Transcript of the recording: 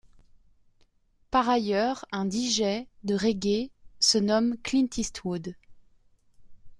Par ailleurs, un deejay de reggae se nomme Clint Eastwood.